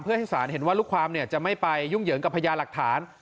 เพื่อให้ศาลเห็นว่าลูกความจะไม่ไปยุ่งเหยิงกับพญาหลักฐาน